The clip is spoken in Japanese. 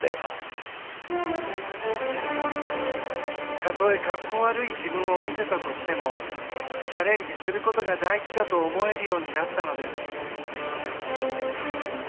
たとえ格好悪い自分を見せたとしてもチャレンジすることが大事だと思えるようになったのです。